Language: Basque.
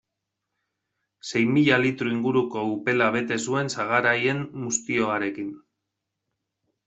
Sei mila litro inguruko upela bete zuen sagar haien muztioarekin.